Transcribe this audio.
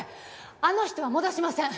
あの人は戻しません！